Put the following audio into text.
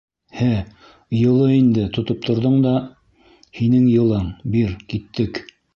— Һе, йылы инде, тотоп торҙоң да. һинең йылың, бир, киттек.